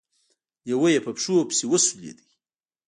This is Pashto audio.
لېوه يې په پښو پسې وسولېد.